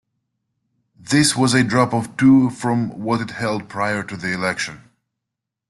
This was a drop of two from what it held prior to the election.